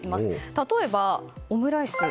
例えば、オムライス。